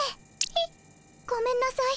えっ？ごめんなさい。